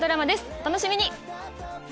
お楽しみに！